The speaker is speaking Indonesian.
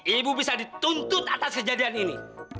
ibu bisa dituntut atas kejadian ini